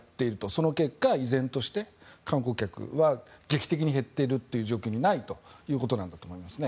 その結果、依然として観光客は劇的に減っているという状況にないということなんだと思いますね。